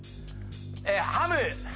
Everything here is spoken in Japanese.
ハム。